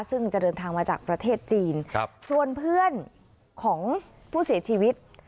ซึ่งจะเดินทางมาจากประเทศจีนชวนเพื่อนของผู้เสียชีวิต